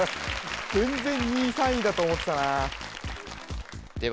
全然２位３位だと思ってたなでは